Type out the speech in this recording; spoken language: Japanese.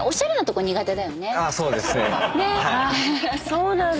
そうなんだ。